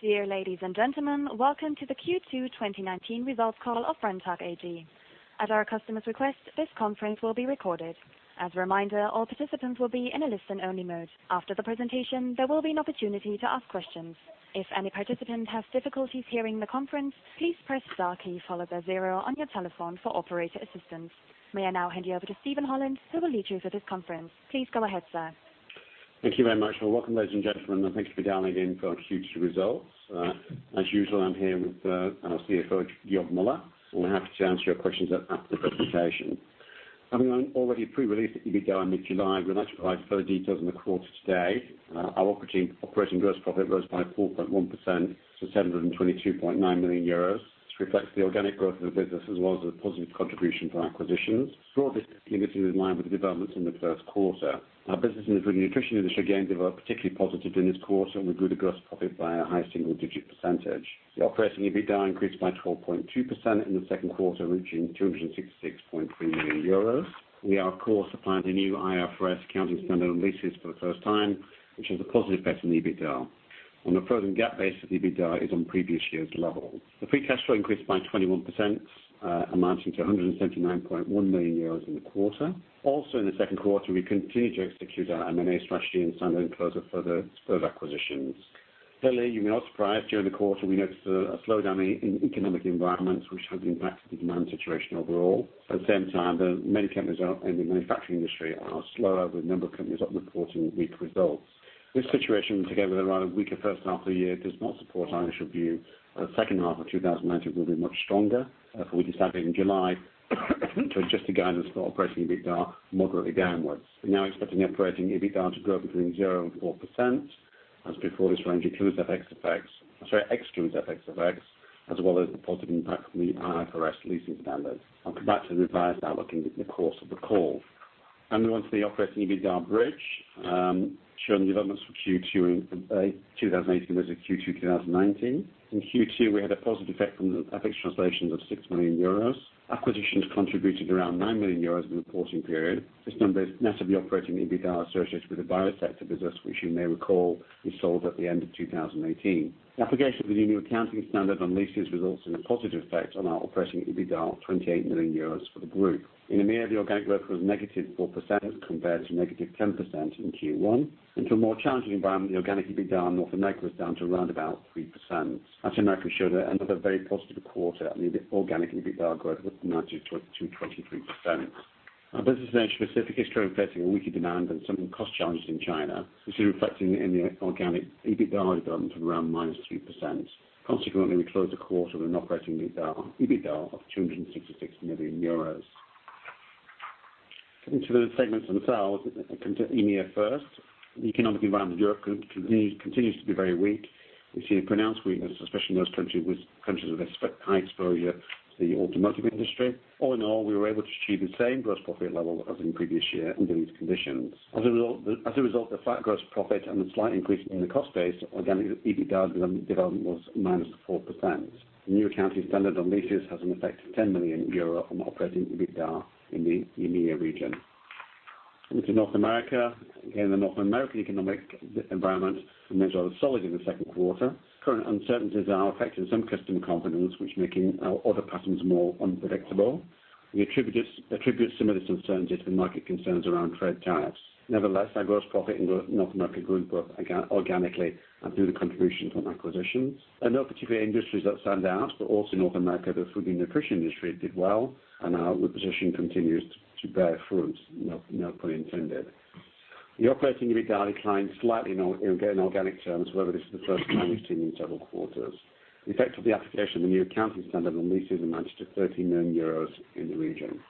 Dear ladies and gentlemen, welcome to the Q2 2019 results call of Brenntag AG. At our customer's request, this conference will be recorded. As a reminder, all participants will be in a listen-only mode. After the presentation, there will be an opportunity to ask questions. If any participant has difficulties hearing the conference, please press star key, followed by zero on your telephone for operator assistance. May I now hand you over to Steven Holland, who will lead you through this conference. Please go ahead, sir. Thank you very much. Well, welcome, ladies and gentlemen, thank you for dialing in for our Q2 results. As usual, I'm here with our CFO, Georg Müller. We're happy to answer your questions after the presentation. Having already pre-released the EBITDA in mid-July, we'd like to provide further details on the quarter today. Our operating gross profit rose by 4.1% to €722.9 million. This reflects the organic growth of the business as well as the positive contribution from acquisitions. Raw business activity was in line with the developments in the first quarter. Our business in the Food & Nutrition industry again developed particularly positively in this quarter and we grew the gross profit by a high single-digit percentage. The operating EBITDA increased by 12.2% in the second quarter, reaching €266.3 million. We are, of course, applying the new IFRS accounting standard on leases for the first time, which has a positive effect on EBITDA. On a frozen GAAP basis, EBITDA is on previous year's level. The free cash flow increased by 21%, amounting to €179.1 million in the quarter. Also, in the second quarter, we continued to execute our M&A strategy and signed and closed for the spur of acquisitions. Clearly, you may not surprise, during the quarter, we noticed a slowdown in economic environments which has impacted the demand situation overall. At the same time, many companies in the manufacturing industry are slower, with a number of companies reporting weak results. This situation, together with a rather weaker first half of the year, does not support our initial view that the second half of 2019 will be much stronger. For what we decided in July to adjust the guidance for operating EBITDA moderately downwards. We're now expecting operating EBITDA to grow between zero and 4%. As before, this range includes FX effects-- I'm sorry, excludes FX effects, as well as the positive impact from the IFRS leasing standards. I'll come back to the revised outlook in the course of the call. We move on to the operating EBITDA bridge, showing the developments from Q2 2018 versus Q2 2019. In Q2, we had a positive effect from the FX translations of 6 million euros. Acquisitions contributed around 9 million euros in the reporting period. This number is net of the operating EBITDA associated with the Biosector business, which you may recall we sold at the end of 2018. The application of the new accounting standard on leases results in a positive effect on our operating EBITDA of 28 million euros for the group. In EMEA, the organic growth was -4% compared to -10% in Q1. Into a more challenging environment, the organic EBITDA in North America was down to around 3%. Latin America showed another very positive quarter. The organic EBITDA growth was -2% to 3%. Our Business Unit Specific is currently facing a weaker demand and some cost challenges in China, which is reflected in the organic EBITDA development of around -3%. We closed the quarter with an operating EBITDA of 266 million euros. Coming to the segments themselves, EMEA first. The economic environment in Europe continues to be very weak. We've seen a pronounced weakness, especially in those countries with high exposure to the automotive industry. All in all, we were able to achieve the same gross profit level as in the previous year under these conditions. As a result of the flat gross profit and the slight increase in the cost base, organic EBITDA development was minus 4%. The new accounting standard on leases has an effect of 10 million euro on operating EBITDA in the EMEA region. Moving to North America. The North American economic environment remained rather solid in the second quarter. Current uncertainties are affecting some customer confidence, which is making our order patterns more unpredictable. We attribute some of these uncertainties to market concerns around trade tariffs. Our gross profit in North America grew both organically and through the contributions from acquisitions. There are no particular industries that stand out, but also North America, the Food & Nutrition industry did well, and our repositioning continues to bear fruit, no pun intended. The operating EBITDA declined slightly in organic terms. This is the first time we've seen in several quarters. The effect of the application of the new accounting standard on leases amounts to 13 million euros in the region.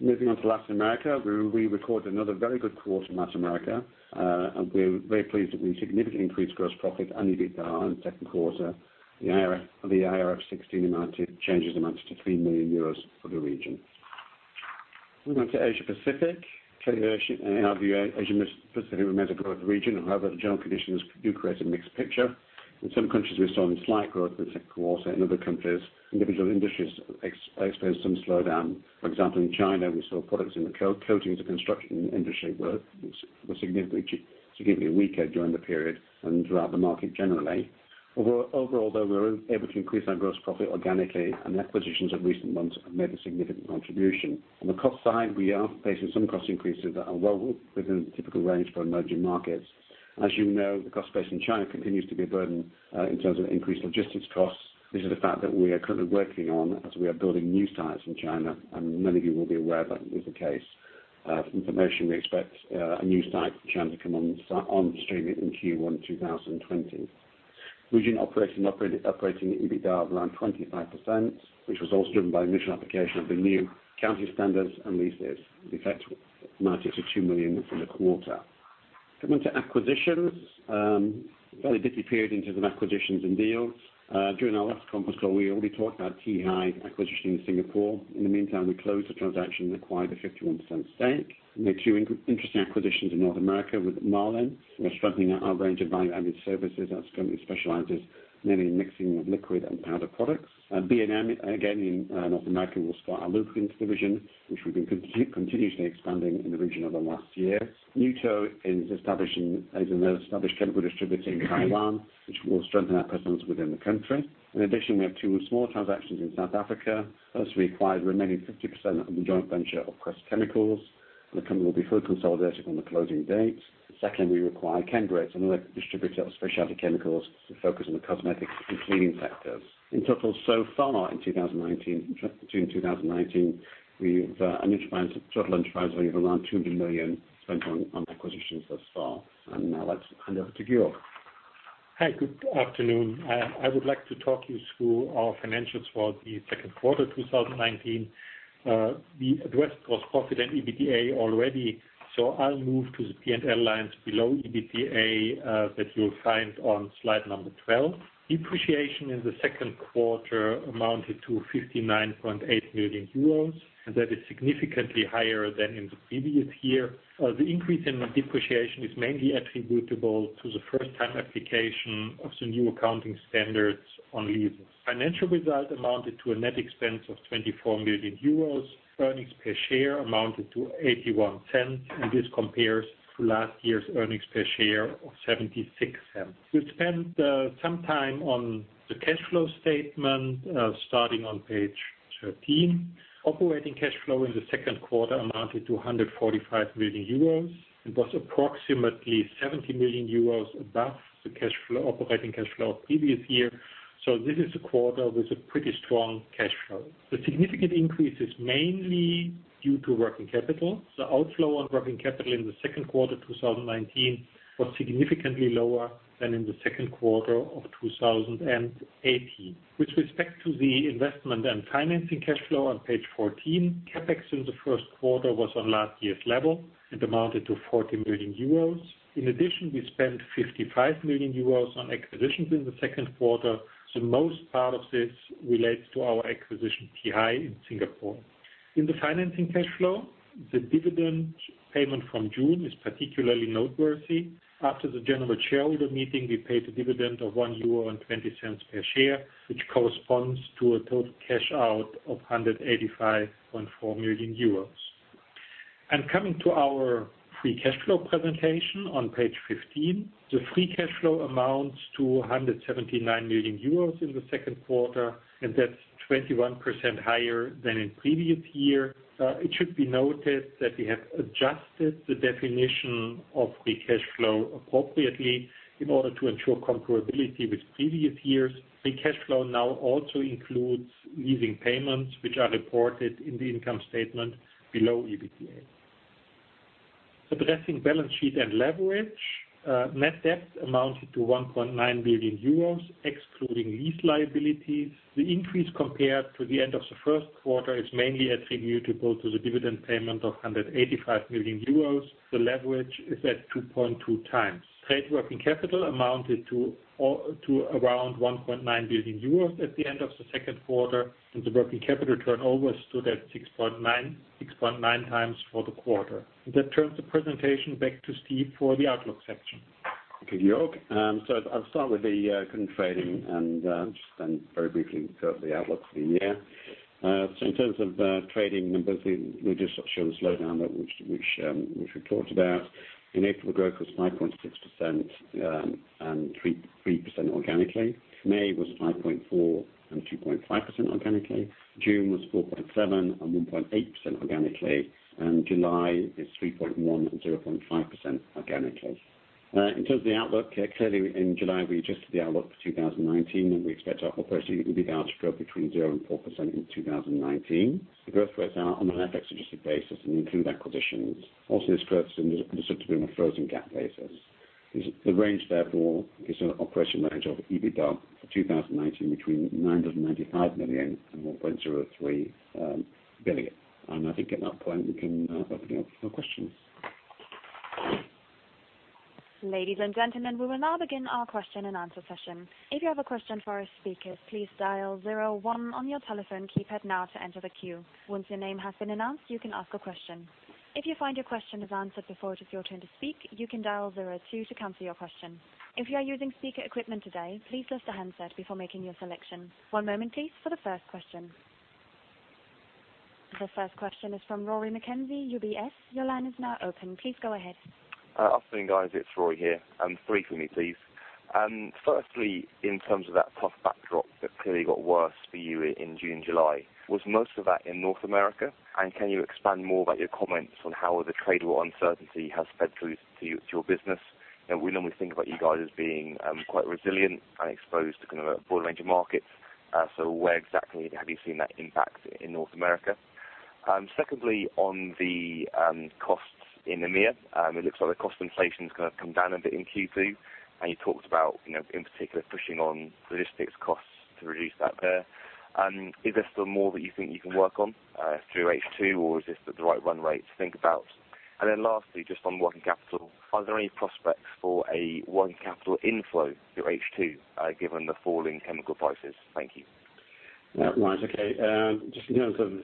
Moving on to Latin America. We recorded another very good quarter in Latin America. We're very pleased that we significantly increased gross profit and EBITDA in the second quarter. The IFRS 16 changes amounted to 3 million euros for the region. Moving on to Asia Pacific. In our view, Asia Pacific remains a growth region. The general conditions do create a mixed picture. In some countries, we saw a slight growth in the second quarter. In other countries, individual industries experienced some slowdown. For example, in China, we saw products in the coatings and construction industry were significantly weaker during the period and throughout the market generally. Overall, though, we were able to increase our gross profit organically, and acquisitions of recent months have made a significant contribution. On the cost side, we are facing some cost increases that are well within the typical range for emerging markets. As you know, the cost base in China continues to be a burden in terms of increased logistics costs. This is the fact that we are currently working on as we are building new sites in China, and many of you will be aware that is the case. For information, we expect a new site in China to come on stream in Q1 2020. Region operating EBITDA of around 25%, which was also driven by initial application of the new accounting standards and leases effect amounted to 2 million in the quarter. Coming to acquisitions, a very busy period in terms of acquisitions and deals. During our last conference call, we already talked about Tee Hai Chem acquisition in Singapore. In the meantime, we closed the transaction and acquired a 51% stake. We made two interesting acquisitions in North America with Marlin. We're strengthening our range of value-added services as the company specializes mainly in mixing of liquid and powder products. B&M, again, in North America will support our lubricants division, which we've been continuously expanding in the region over the last year. Neuto is an established chemical distributor in Taiwan, which will strengthen our presence within the country. In addition, we have two small transactions in South Africa. First, we acquired the remaining 50% of the joint venture of Crest Chemicals, and the company will be fully consolidated on the closing date. Secondly, we acquired Chemgrit Cosmetics, another distributor of specialty chemicals with focus on the cosmetics and cleaning sectors. In total, so far in 2019, we've a total enterprise value of around 200 million spent on acquisitions thus far. Now I'd like to hand over to Georg. Hi, good afternoon. I would like to talk you through our financials for the second quarter, 2019. We addressed gross profit and EBITDA already. I'll move to the P&L lines below EBITDA that you'll find on slide number 12. Depreciation in the second quarter amounted to 59.8 million euros. That is significantly higher than in the previous year. The increase in depreciation is mainly attributable to the first time application of the new accounting standards on leases. Financial result amounted to a net expense of 24 million euros. Earnings per share amounted to 0.81. This compares to last year's earnings per share of 0.76. We'll spend some time on the cash flow statement, starting on page 13. Operating cash flow in the second quarter amounted to 145 million euros. It was approximately 70 million euros above the operating cash flow of previous year, so this is a quarter with a pretty strong cash flow. The significant increase is mainly due to working capital. The outflow on working capital in the second quarter 2019 was significantly lower than in the second quarter of 2018. With respect to the investment and financing cash flow on page 14, CapEx in the first quarter was on last year's level and amounted to 40 million euros. In addition, we spent 55 million euros on acquisitions in the second quarter, so most part of this relates to our acquisition, Tee Hai, in Singapore. In the financing cash flow, the dividend payment from June is particularly noteworthy. After the general shareholder meeting, we paid a dividend of 1.20 euro per share, which corresponds to a total cash-out of 185.4 million euros. Coming to our free cash flow presentation on page 15, the free cash flow amounts to 179 million euros in the second quarter, and that's 21% higher than in previous year. It should be noted that we have adjusted the definition of free cash flow appropriately in order to ensure comparability with previous years. Free cash flow now also includes leasing payments, which are reported in the income statement below EBITDA. Addressing balance sheet and leverage, net debt amounted to 1.9 billion euros, excluding lease liabilities. The increase compared to the end of the first quarter is mainly attributable to the dividend payment of 185 million euros. The leverage is at 2.2 times. Trade working capital amounted to around 1.9 billion euros at the end of the second quarter, and the working capital turnover stood at 6.9 times for the quarter. That turns the presentation back to Steve for the outlook section. Okay, Georg. I'll start with the current trading and just then very briefly cover the outlook for the year. In terms of trading numbers, we just show a slowdown which we talked about. In April, growth was 5.6% and 3% organically. May was 5.4% and 2.5% organically. June was 4.7% and 1.8% organically. July is 3.1% and 0.5% organically. In terms of the outlook, clearly in July, we adjusted the outlook for 2019, and we expect our operating EBITDA to grow between 0% and 4% in 2019. The growth rates are on an FX adjusted basis and include acquisitions. Also this growth is on a sort of frozen GAAP basis. The range, therefore, is an operational range of EBITDA for 2019 between 995 million and 1.03 billion. I think at that point we can open it up for questions. Ladies and gentlemen, we will now begin our question and answer session. If you have a question for our speakers, please dial zero one on your telephone keypad now to enter the queue. Once your name has been announced, you can ask a question. If you find your question is answered before it is your turn to speak, you can dial zero two to cancel your question. If you are using speaker equipment today, please lift the handset before making your selection. One moment please for the first question. The first question is from Rory McKenzie, UBS. Your line is now open. Please go ahead. Afternoon, guys. It's Rory here. Three for me, please. Firstly, in terms of that tough backdrop that clearly got worse for you in June, July, was most of that in North America? Can you expand more about your comments on how the trade war uncertainty has fed through to your business? We normally think about you guys as being quite resilient and exposed to kind of a broad range of markets. Where exactly have you seen that impact in North America? Secondly, on the costs in EMEA, it looks like the cost inflation is going to come down a bit in Q2, and you talked about, in particular, pushing on logistics costs to reduce that there. Is there still more that you think you can work on through H2 or is this the right run rate to think about? Lastly, just on working capital, are there any prospects for a working capital inflow through H2 given the falling chemical prices? Thank you. Right. Okay. Just in terms of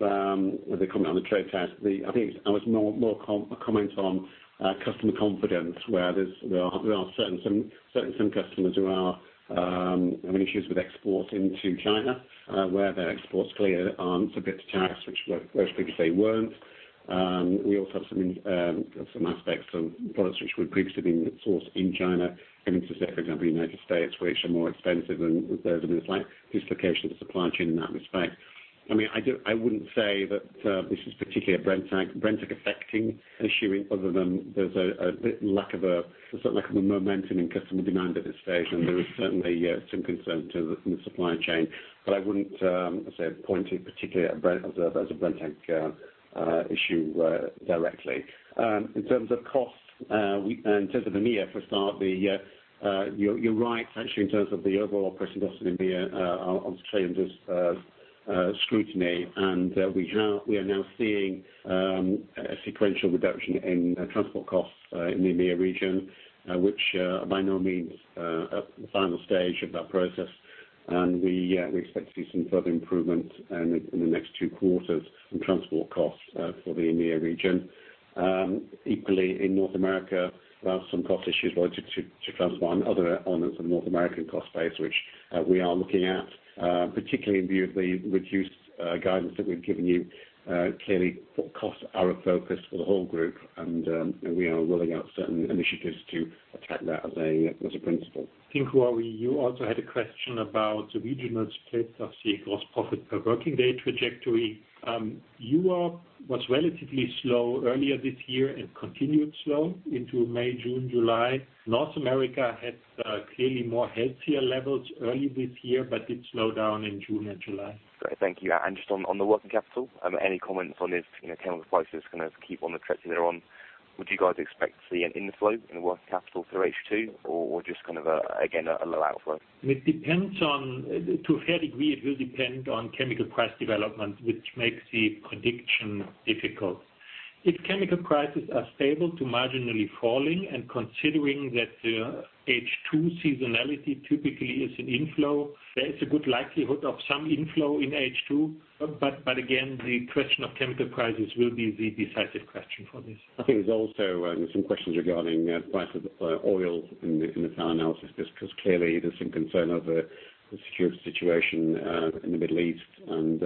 the comment on the trade test, I think that was more a comment on customer confidence, where there are certainly some customers who are having issues with exports into China, where their exports clear and subject to tax, which most weeks they weren't. We also have some aspects of products which would previously been sourced in China and into, say, for example, U.S., which are more expensive and there's a slight dislocation of the supply chain in that respect. I wouldn't say that this is particularly a Brenntag affecting issue other than there's a lack of a momentum in customer demand at this stage, and there is certainly some concern to the supply chain. I wouldn't say I'd point to particularly as a Brenntag issue directly. In terms of costs, in terms of EMEA, for a start, you're right, actually, in terms of the overall operational cost in EMEA are obviously under scrutiny. We are now seeing a sequential reduction in transport costs in the EMEA region, which by no means at the final stage of that process. We expect to see some further improvement in the next two quarters in transport costs for the EMEA region. Equally, in North America, we have some cost issues related to transport and other elements of North American cost base, which we are looking at, particularly in view of the reduced guidance that we've given you. Clearly, costs are a focus for the whole group, and we are rolling out certain initiatives to attack that as a principle. I think where you also had a question about the regional split of the gross profit per working day trajectory. Europe was relatively slow earlier this year and continued slow into May, June, July. North America had clearly more healthier levels early this year but did slow down in June and July. Great. Thank you. Just on the working capital, any comments on if chemical prices keep on the trajectory they're on, would you guys expect to see an inflow in the working capital through H2 or just kind of again, a low outflow? To a fair degree, it will depend on chemical price development, which makes the prediction difficult. If chemical prices are stable to marginally falling and considering that the H2 seasonality typically is an inflow, there is a good likelihood of some inflow in H2. Again, the question of chemical prices will be the decisive question for this. I think there's also some questions regarding price of oil in the call analysis, just because clearly there's some concern over the security situation in the Middle East and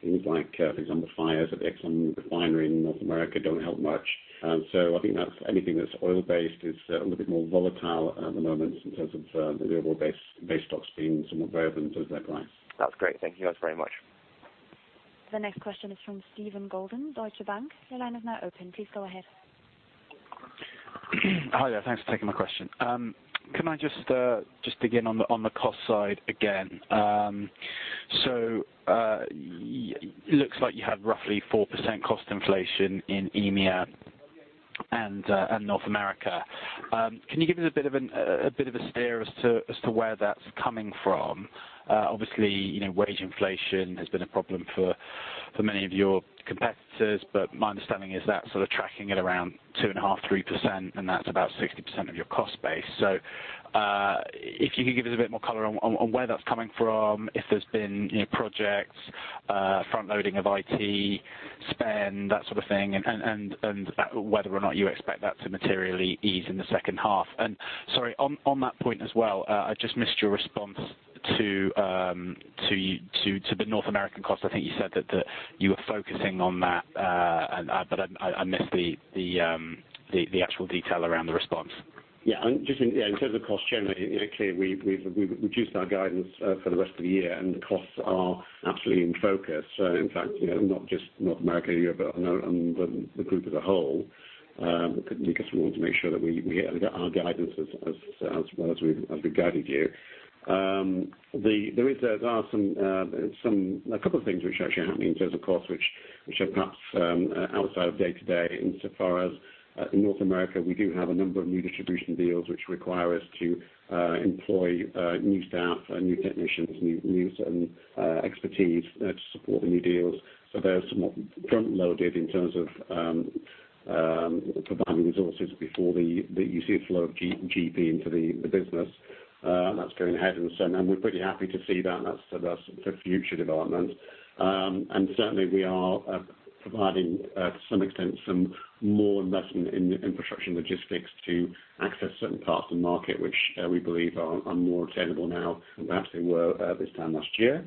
things like, for example, fires at the Exxon refinery in North America don't help much. I think that anything that's oil-based is a little bit more volatile at the moment in terms of the overall base stock being somewhat variable in terms of that price. That's great. Thank you guys very much. The next question is from Stephen Golden, Deutsche Bank. Your line is now open. Please go ahead. Hi there. Thanks for taking my question. Can I just dig in on the cost side again? It looks like you had roughly 4% cost inflation in EMEA and North America. Can you give us a bit of a steer as to where that's coming from? Obviously, wage inflation has been a problem for many of your competitors, but my understanding is that sort of tracking at around 2.5%, 3%, and that's about 60% of your cost base. If you could give us a bit more color on where that's coming from, if there's been projects, front loading of IT spend, that sort of thing, and whether or not you expect that to materially ease in the second half. Sorry, on that point as well, I just missed your response to the North American cost. I think you said that you were focusing on that, but I missed the actual detail around the response. In terms of cost generally, clearly we've reduced our guidance for the rest of the year and the costs are absolutely in focus. In fact, not just North America, Europe, but on the group as a whole, because we want to make sure that we hit our guidance as well as we guided you. There are a couple of things which are happening in terms of costs which are perhaps outside of day-to-day insofar as in North America, we do have a number of new distribution deals which require us to employ new staff, new technicians, new certain expertise to support the new deals. Those are more front loaded in terms of providing resources before you see a flow of GP into the business. That's going ahead and we're pretty happy to see that. That's for future development. Certainly we are providing to some extent, some more investment in infrastructure and logistics to access certain parts of the market which we believe are more attainable now than perhaps they were this time last year.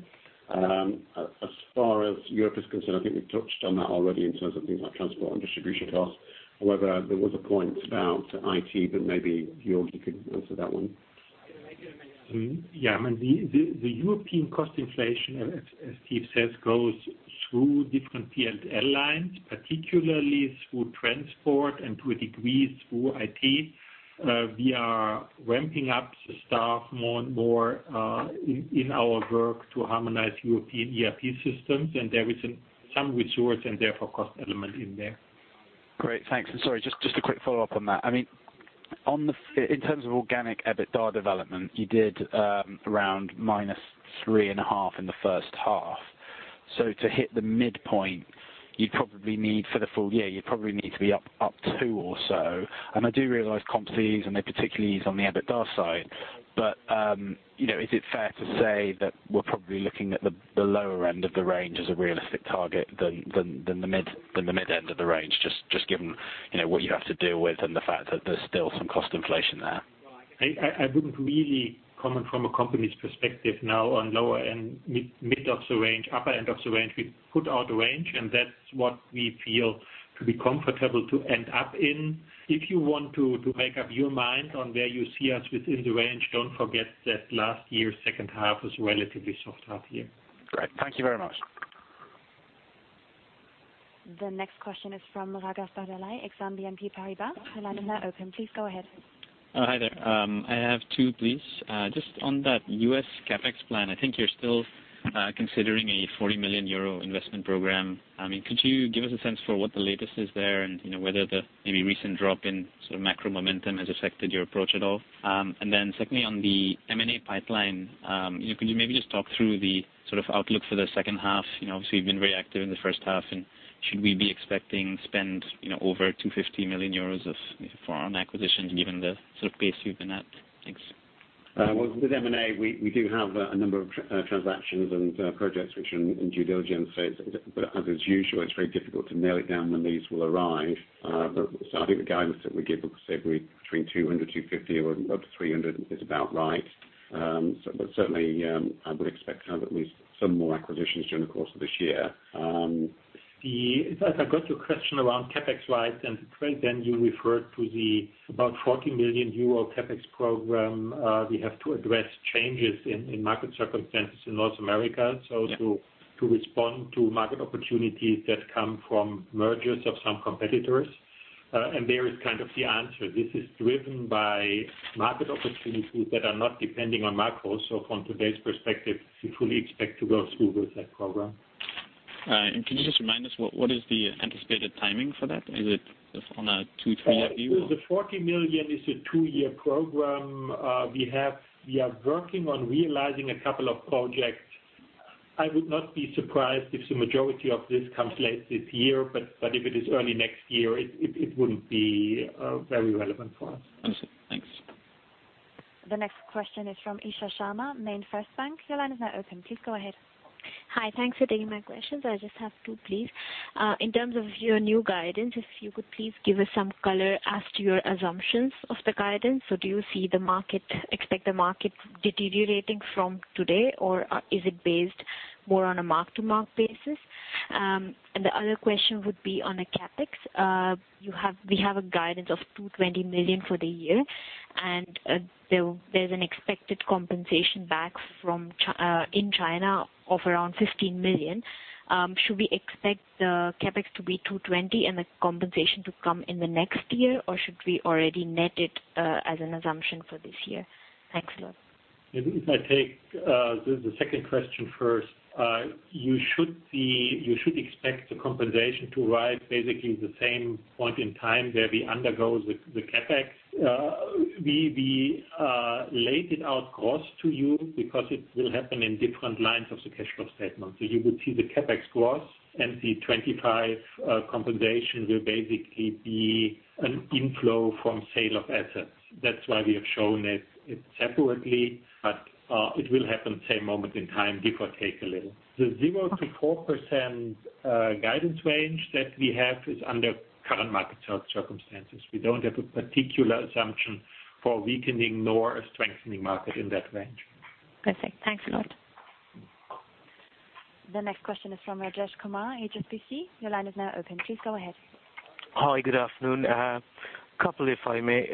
As far as Europe is concerned, I think we've touched on that already in terms of things like transport and distribution costs. However, there was a point about IT, but maybe Georg, you could answer that one. Yeah. The European cost inflation, as Steve says, goes through different P&L lines, particularly through transport and to a degree through IT. We are ramping up staff more and more in our work to harmonize European ERP systems. There is some resource and therefore cost element in there. Great. Thanks. Sorry, just a quick follow-up on that. I mean, in terms of organic EBITDA development, you did around minus three and a half in the first half. To hit the midpoint for the full year, you'd probably need to be up two or so. I do realize comp fees, and they particularly ease on the EBITDA side. Is it fair to say that we're probably looking at the lower end of the range as a realistic target than the mid-end of the range, just given what you have to deal with and the fact that there's still some cost inflation there? I wouldn't really comment from a company's perspective now on lower end, mid of the range, upper end of the range. We put out a range, and that's what we feel to be comfortable to end up in. If you want to make up your mind on where you see us within the range, don't forget that last year's second half was relatively soft half year. Great. Thank you very much. The next question is from Raghav Bardalai, Exane BNP Paribas. Your line is now open. Please go ahead. Hi there. I have two, please. Just on that U.S. CapEx plan, I think you're still considering a 40 million euro investment program. Could you give us a sense for what the latest is there and whether the maybe recent drop in macro momentum has affected your approach at all? Secondly, on the M&A pipeline, can you maybe just talk through the outlook for the second half? Obviously, you've been very active in the first half, and should we be expecting spend over 250 million euros of foreign acquisitions given the pace you've been at? Thanks. Well, with M&A, we do have a number of transactions and projects which are in due diligence. As is usual, it's very difficult to nail it down when these will arrive. I think the guidance that we give of say between 200, 250 or up to 300 is about right. Certainly, I would expect to have at least some more acquisitions during the course of this year. In fact, I got your question around CapEx slide, and to trade, then you referred to the about 40 million euro CapEx program. We have to address changes in market circumstances in North America. To respond to market opportunities that come from mergers of some competitors. There is kind of the answer. This is driven by market opportunities that are not depending on macro. From today's perspective, we fully expect to go through with that program. Can you just remind us what is the anticipated timing for that? Is it on a two, three year view? The 40 million is a two-year program. We are working on realizing a couple of projects. I would not be surprised if the majority of this comes late this year, but if it is early next year, it wouldn't be very relevant for us. Understood. Thanks. The next question is from Isha Sharma, MainFirst Bank. Your line is now open. Please go ahead. Hi. Thanks for taking my questions. I just have two, please. In terms of your new guidance, if you could please give us some color as to your assumptions of the guidance. Do you see the market, expect the market deteriorating from today, or is it based more on a mark-to-mark basis? The other question would be on the CapEx. We have a guidance of 220 million for the year, and there's an expected compensation back in China of around 15 million. Should we expect the CapEx to be 220 million and the compensation to come in the next year, or should we already net it as an assumption for this year? Thanks a lot. Maybe if I take the second question first. You should expect the compensation to arrive basically the same point in time where we undergo the CapEx. We laid it out gross to you because it will happen in different lines of the cash flow statement. You would see the CapEx gross and the 25 compensation will basically be an inflow from sale of assets. That's why we have shown it separately. It will happen same moment in time, give or take a little. The zero to 4% guidance range that we have is under current market circumstances. We don't have a particular assumption for weakening nor a strengthening market in that range. Perfect. Thanks a lot. The next question is from Rajesh Kumar, HSBC. Your line is now open. Please go ahead. Hi, good afternoon. Couple, if I may.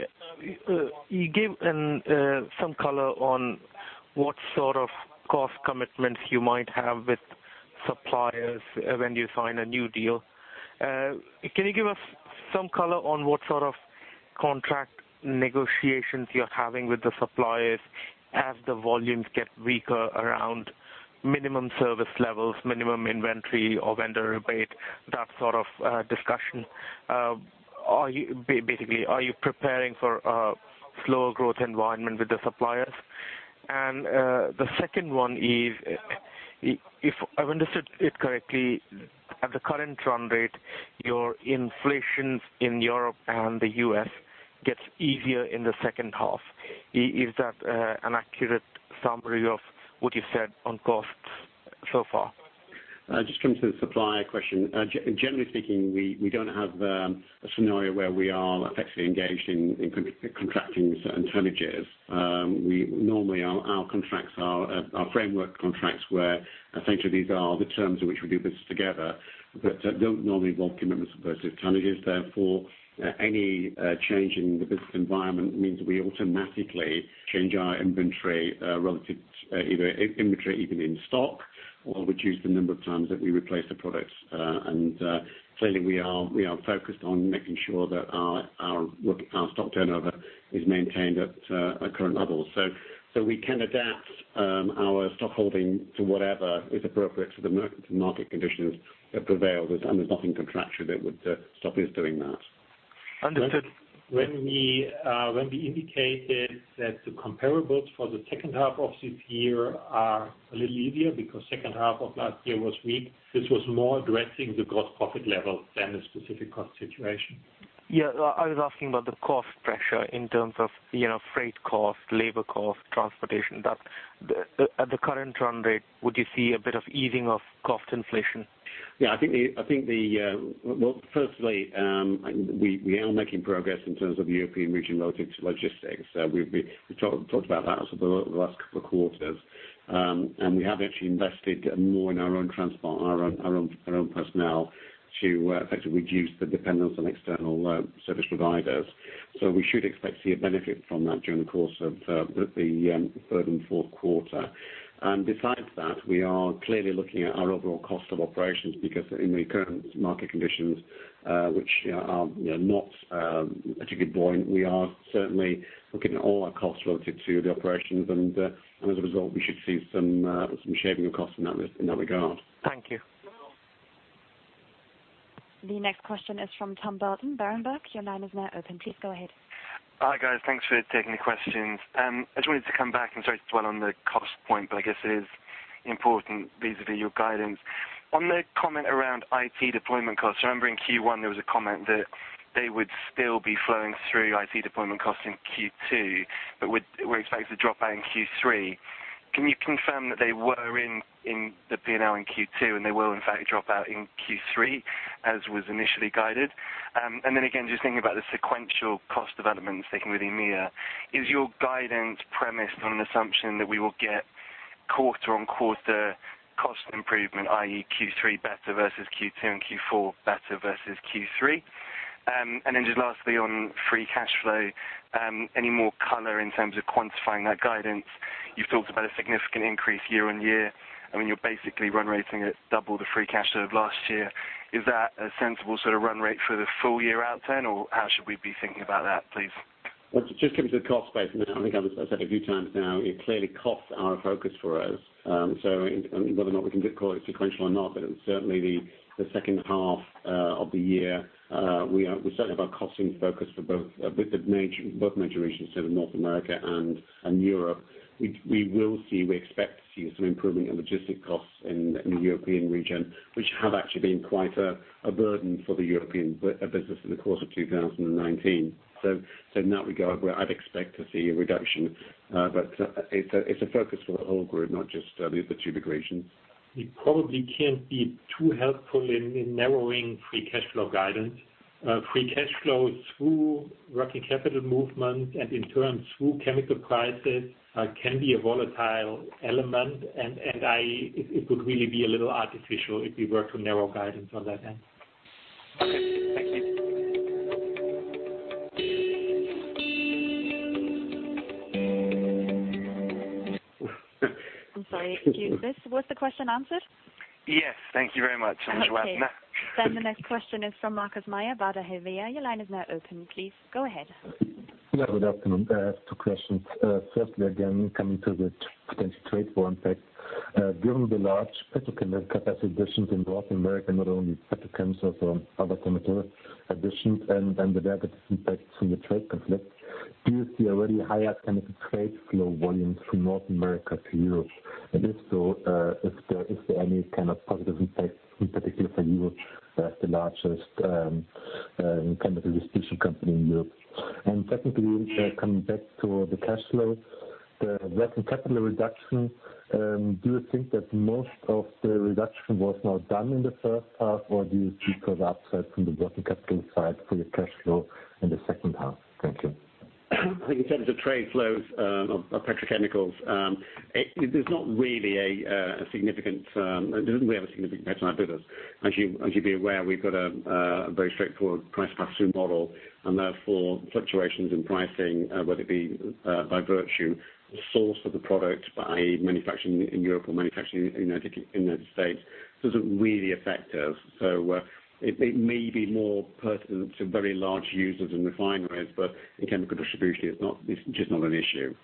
You gave some color on what sort of cost commitments you might have with suppliers when you sign a new deal. Can you give us some color on what sort of contract negotiations you're having with the suppliers as the volumes get weaker around minimum service levels, minimum inventory or vendor rebate, that sort of discussion. Basically, are you preparing for a slower growth environment with the suppliers? The second one is, if I've understood it correctly, at the current run rate, your inflation in Europe and the U.S. gets easier in the second half. Is that an accurate summary of what you said on costs so far? Just coming to the supplier question. Generally speaking, we don't have a scenario where we are effectively engaged in contracting certain tonnages. Normally, our contracts are framework contracts where essentially these are the terms in which we do business together, but don't normally involve commitments of versus tonnages. Any change in the business environment means we automatically change our inventory relative either inventory even in stock or reduce the number of times that we replace the products. Clearly, we are focused on making sure that our stock turnover is maintained at current levels. We can adapt our stock holding to whatever is appropriate to the market conditions that prevail, and there's nothing contractual that would stop us doing that. Understood. When we indicated that the comparables for the second half of this year are a little easier because second half of last year was weak, this was more addressing the gross profit level than the specific cost situation. Yeah. I was asking about the cost pressure in terms of freight cost, labor cost, transportation. At the current run rate, would you see a bit of easing of cost inflation? Yeah. Well, firstly, we are making progress in terms of European region logistics. We talked about that over the last couple of quarters. We have actually invested more in our own transport, our own personnel to effectively reduce the dependence on external service providers. We should expect to see a benefit from that during the course of the third and fourth quarter. Besides that, we are clearly looking at our overall cost of operations because in the current market conditions, which are not particularly buoyant, we are certainly looking at all our costs relative to the operations. As a result, we should see some shaving of costs in that regard. Thank you. The next question is from Tom Burton, Berenberg. Your line is now open. Please go ahead. Hi, guys. Thanks for taking the questions. I just wanted to come back and sorry to dwell on the cost point, but I guess it is important vis-a-vis your guidance. On the comment around IT deployment costs, remember in Q1 there was a comment that they would still be flowing through IT deployment costs in Q2, but were expected to drop out in Q3. Can you confirm that they were in the P&L in Q2 and they will in fact drop out in Q3 as was initially guided? Again, just thinking about the sequential cost developments, sticking with EMEA, is your guidance premised on an assumption that we will get quarter-on-quarter cost improvement, i.e., Q3 better versus Q2 and Q4 better versus Q3? Just lastly on free cash flow, any more color in terms of quantifying that guidance? You've talked about a significant increase year-on-year. I mean, you're basically run-rating at double the free cash flow of last year. Is that a sensible sort of run rate for the full year out turn, or how should we be thinking about that, please? Just coming to the cost base, and I think I've said a few times now, it clearly is our focus for us. Whether or not we can call it sequential or not, but it certainly the second half of the year, we certainly have our costing focused for both major regions, so North America and Europe. We will see, we expect to see some improvement in logistic costs in the European region, which have actually been quite a burden for the European business in the course of 2019. In that regard, I'd expect to see a reduction. It's a focus for the whole group, not just the two big regions. We probably can't be too helpful in narrowing free cash flow guidance. Free cash flow through working capital movement and in turn through chemical prices, can be a volatile element. It would really be a little artificial if we were to narrow guidance on that end. Okay, thank you. I'm sorry. Was the question answered? Yes. Thank you very much. Okay. I'll drop now. The next question is from Markus Mayer, Baader Helvea. Your line is now open, please go ahead. Yeah, good afternoon. I have two questions. Firstly, again, coming to the potential trade war impact. Given the large petrochemical capacity additions in North America, not only petrochemicals or other chemical additions and the negative impacts from the trade conflict, do you see already higher chemical trade flow volumes from North America to Europe? If so, is there any kind of positive impact in particular for you as the largest chemical distribution company in Europe? Secondly, coming back to the cash flow, the working capital reduction, do you think that most of the reduction was now done in the first half, or do you see further upside from the working capital side for your cash flow in the second half? Thank you. I think in terms of trade flows of petrochemicals, there isn't really a significant impact on our business. As you'd be aware, we've got a very straightforward price pass-through model, and therefore fluctuations in pricing, whether it be by virtue source of the product, by manufacturing in Europe or manufacturing in the United States, doesn't really affect us. It may be more pertinent to very large users and refineries, but in chemical distribution, it's just not an issue.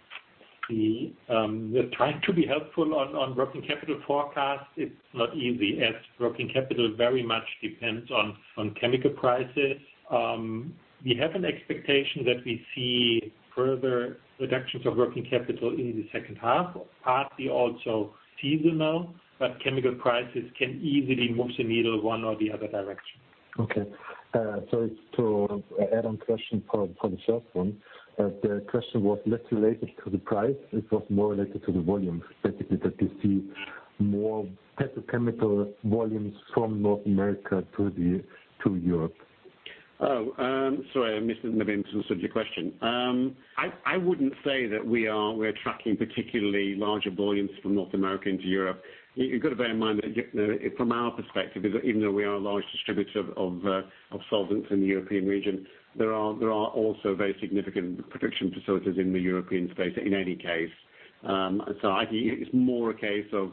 We're trying to be helpful on working capital forecast. It's not easy as working capital very much depends on chemical prices. We have an expectation that we see further reductions of working capital in the second half, partly also seasonal, but chemical prices can easily move the needle one or the other direction. Okay. Sorry to add on question for the first one. The question was less related to the price, it was more related to the volumes, basically that you see more petrochemical volumes from North America to Europe. Oh, sorry, I misunderstood your question. I wouldn't say that we are tracking particularly larger volumes from North America into Europe. You've got to bear in mind that from our perspective, even though we are a large distributor of solvents in the European region, there are also very significant production facilities in the European space in any case. It's more a case of,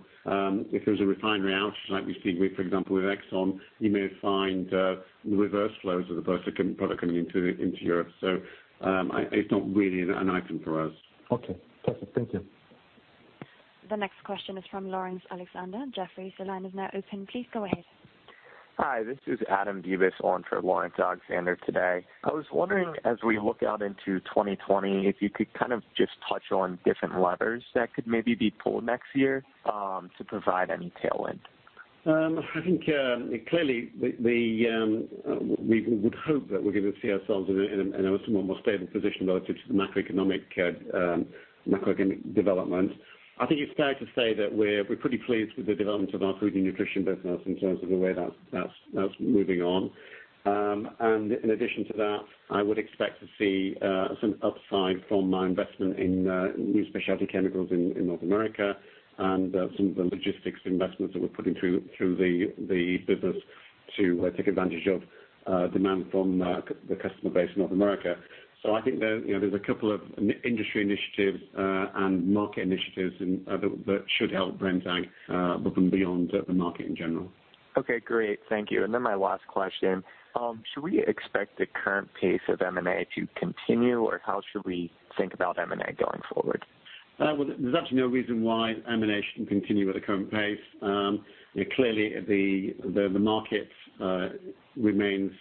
if there's a refinery outage like we see, for example, with Exxon, you may find the reverse flows of the product coming into Europe. It's not really an item for us. Okay. Perfect. Thank you. The next question is from Laurence Alexander. Jefferies, the line is now open. Please go ahead. Hi, this is Adam Davis on for Laurence Alexander today. I was wondering, as we look out into 2020, if you could kind of just touch on different levers that could maybe be pulled next year to provide any tailwind. I think, clearly, we would hope that we're going to see ourselves in a somewhat more stable position relative to the macroeconomic development. I think it's fair to say that we're pretty pleased with the development of our Food & Nutrition business in terms of the way that's moving on. In addition to that, I would expect to see some upside from our investment in new specialty chemicals in North America and some of the logistics investments that we're putting through the business to take advantage of demand from the customer base in North America. I think there's a couple of industry initiatives and market initiatives that should help Brenntag above and beyond the market in general. Okay, great. Thank you. My last question. Should we expect the current pace of M&A to continue, or how should we think about M&A going forward? Well, there's actually no reason why M&A shouldn't continue at the current pace. Clearly, the market remains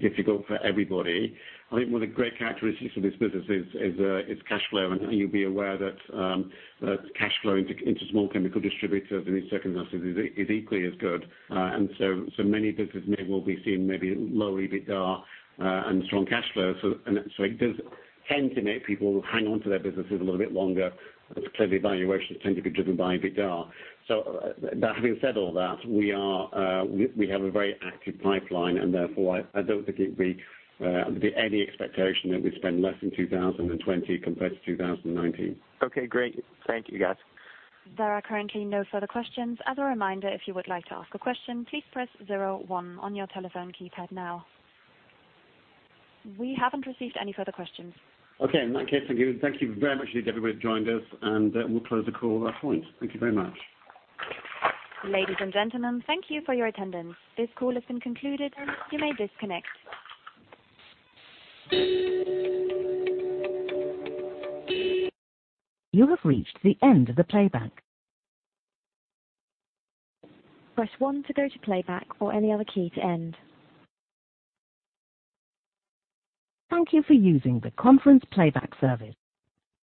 difficult for everybody. I think one of the great characteristics of this business is cash flow, and you'll be aware that cash flow into small chemical distributors in the second half is equally as good. Many business may well be seeing maybe low EBITDA and strong cash flow. It does tend to make people hang on to their businesses a little bit longer, as clearly valuations tend to be driven by EBITDA. Having said all that, we have a very active pipeline, and therefore, I don't think it'd be any expectation that we spend less in 2020 compared to 2019. Okay, great. Thank you, guys. There are currently no further questions. As a reminder, if you would like to ask a question, please press zero one on your telephone keypad now. We haven't received any further questions. Okay, in that case, thank you. Thank you very much to everybody who joined us, and we'll close the call at that point. Thank you very much. Ladies and gentlemen, thank you for your attendance. This call has been concluded. You may disconnect.